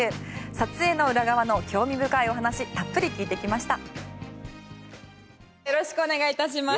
撮影の裏側の興味深いお話たっぷり聞いてきました。